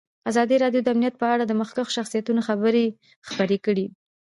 ازادي راډیو د امنیت په اړه د مخکښو شخصیتونو خبرې خپرې کړي.